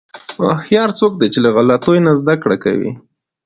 هوښیار څوک دی چې له غلطیو نه زدهکړه کوي.